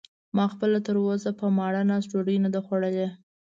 ما خپله تراوسه په ماړه نس ډوډۍ نه ده خوړلې.